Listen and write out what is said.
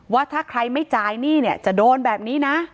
ว่าถ้าใครไม่จ่ายหนี้เนี่ยจะโดนแบบนี้นะ